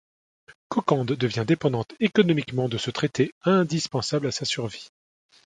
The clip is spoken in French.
Kokand devient dépendante économiquement de ce traité, indispensable à sa survie.